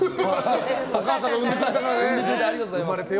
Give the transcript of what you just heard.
産んでくれてありがとうございます。